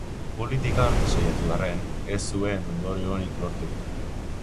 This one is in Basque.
Politikan saiatu arren, ez zuen ondorio onik lortu.